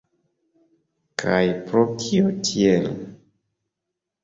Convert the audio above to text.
Kaj pro kio tiel?